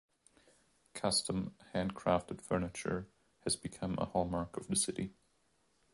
Custom hand-crafted furniture has become a hallmark of the city.